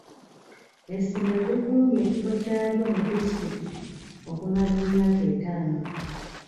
Essomero likuumye ekifo kyalyo mu disitulikiti okumala emyaka etaano.